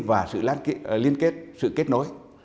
và sự liên kết sự kết nối